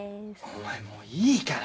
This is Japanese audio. お前もういいから！